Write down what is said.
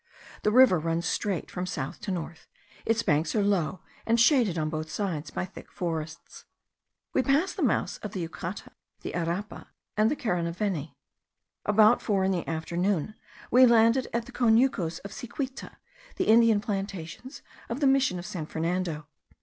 The river runs straight from south to north; its banks are low, and shaded on both sides by thick forests. We passed the mouths of the Ucata, the Arapa, and the Caranaveni. About four in the afternoon we landed at the Conucos de Siquita, the Indian plantations of the mission of San Fernando.